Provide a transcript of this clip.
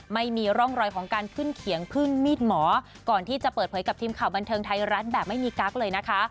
ไม่มีร่องรอยของการขึ้นเขียงพึ่งมีดหมอก่อนที่จะเปิดเผยกับทีมข่าวบันเทิงไทยรัฐแบบไม่มีกั๊กเลยนะคะ